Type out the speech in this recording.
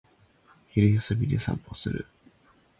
昼休みに散歩する